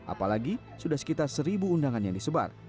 apalagi sudah sekitar seribu undangan yang disebar